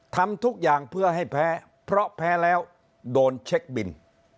ทำทุกอย่างเพื่อให้แพ้เพราะแพ้แล้วโดนเช็คบิน